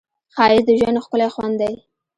ښایست د ژوند ښکلی خوند دی